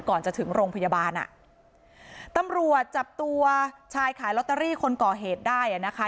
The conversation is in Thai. ก่อนจะถึงโรงพยาบาลอ่ะตำรวจจับตัวชายขายลอตเตอรี่คนก่อเหตุได้อ่ะนะคะ